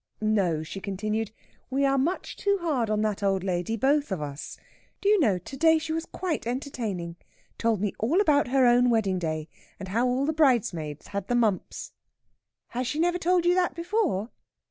"No," she continued, "we are much too hard on that old lady, both of us. Do you know, to day she was quite entertaining told me all about her own wedding day, and how all the bridesmaids had the mumps." "Has she never told you that before?"